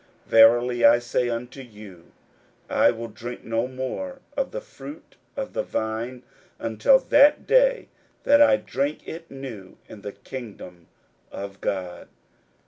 41:014:025 Verily I say unto you, I will drink no more of the fruit of the vine, until that day that I drink it new in the kingdom of God.